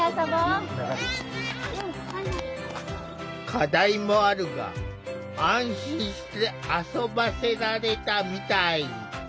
課題もあるが安心して遊ばせられたみたい。